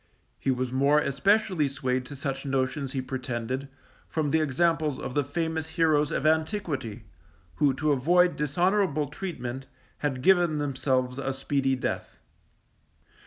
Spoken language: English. He was more especially swayed to such notions he pretended, from the examples of the famous heroes of antiquity, who to avoid dishonourable treatment, had given themselves a speedy death.